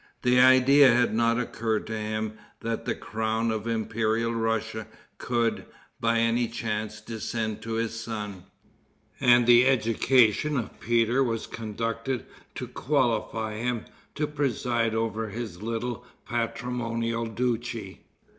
The idea had not occurred to him that the crown of imperial Russia could, by any chance, descend to his son, and the education of Peter was conducted to qualify him to preside over his little patrimonial duchy.